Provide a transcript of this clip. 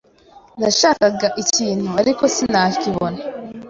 Nashakaga ikintu, ariko sinakibona.